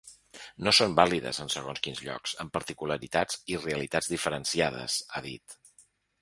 No són vàlides en segons quins llocs, amb particularitats i realitats diferenciades, ha dit.